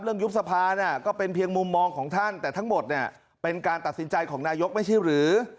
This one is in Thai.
ยุบสภาก็เป็นเพียงมุมมองของท่านแต่ทั้งหมดเนี่ยเป็นการตัดสินใจของนายกไม่ใช่หรือ